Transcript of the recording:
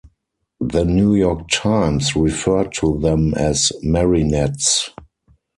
The "New York Times" referred to them as "'Marinettes'".